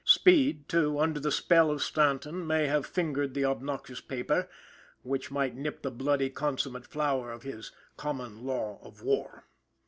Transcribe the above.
Speed, too, under the spell of Stanton, may have fingered the obnoxious paper, which might nip the bloody consummate flower of his "common law of war."